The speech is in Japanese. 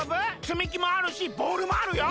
つみきもあるしボールもあるよ！